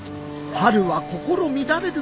春は心乱れる